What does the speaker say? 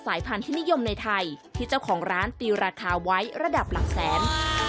พันธุ์ที่นิยมในไทยที่เจ้าของร้านตีราคาไว้ระดับหลักแสน